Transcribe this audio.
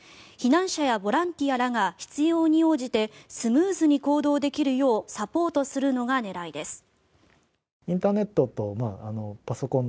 避難者やボランティアらが必要に応じてスムーズに行動できるようサポートするのが狙いです。